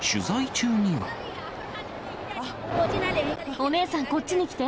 お姉さん、こっちに来て。